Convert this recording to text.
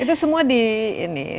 itu semua di ini